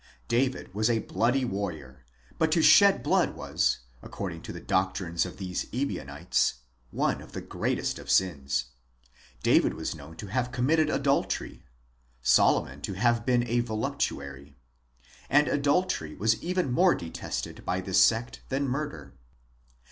David was a bloody warrior ; but to shed blood was, according to the doctrines of these Ebionites, one of the greatest of sins; David was known to have committed adultery, (Solomon to have been a voluptuary); and adultery was even more detested by this sect than murder.